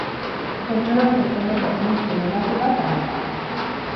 Kontsonante fonema multzo mugatu bat dago.